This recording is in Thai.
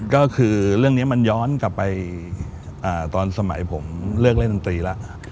ก็คือเรื่องนี้มันย้อนกลับไปตอนสมัยผมเลือกเล่นดนตรีแล้ว